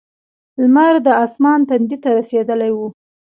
لمر د اسمان تندي ته رسېدلی و.